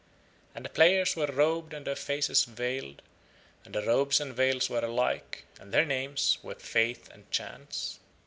And the players were robed and their faces veiled, and the robes and veils were alike, and their names were Fate and Chance.